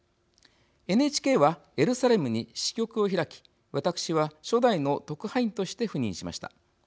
ＮＨＫはエルサレムに支局を開き私は初代の特派員として赴任しました。